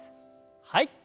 はい。